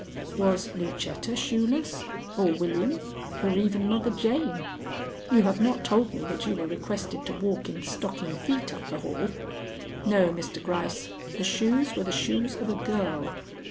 "Was Lucetta shoeless or William or even Mother Jane? You have not told me that you were requested to walk in stocking feet up the hall. No, Mr. Gryce, the shoes were the shoes of a girl.